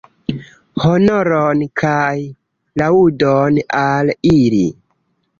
Honoron kaj laŭdon al ili!